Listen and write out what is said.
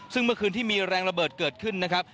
ซึ่งเมื่อคืนที่มีแรงระเบิดเกิดขึ้นนะครับ